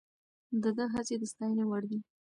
د ده هڅې د ستاینې وړ دي.